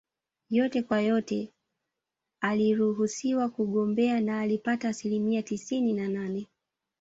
Yote kwa yote aliruhusiwa kugombea na alipata asilimia tisini na nane